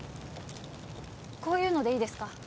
こういうのでいいですか？